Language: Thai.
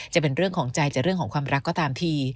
จะเป็นเรื่องของใจจะเรื่องของความรักก็ตามที